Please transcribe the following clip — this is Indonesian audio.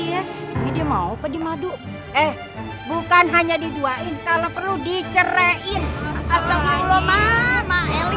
ya dia mau pedi madu eh bukan hanya diduain kalau perlu diceraiin astagfirullah mama elin